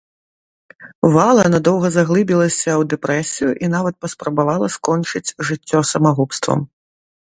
Вала надоўга заглыбілася ў дэпрэсію і нават паспрабавала скончыць жыццё самагубствам.